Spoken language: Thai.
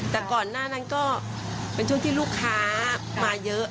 แต่ก่อนหน้านั้นก็เป็นช่วงที่ลูกค้ามาเยอะ